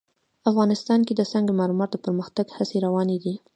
افغانستان کې د سنگ مرمر د پرمختګ هڅې روانې دي.